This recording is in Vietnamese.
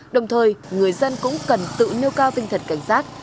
đồng thời người dân cũng cần tự nêu cao tinh thần cảnh giác